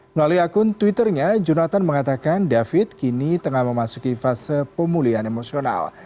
melalui akun twitternya jonathan mengatakan david kini tengah memasuki fase pemulihan emosional